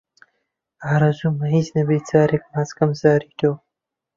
ئارەزوومە هیچ نەبێ جارێکی ماچ کەم زاری تۆ